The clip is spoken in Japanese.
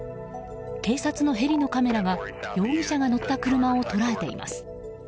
警察のヘリのカメラが容疑者が乗った車を捉えています。